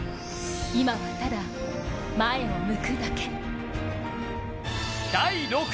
今はただ、前を向くだけ。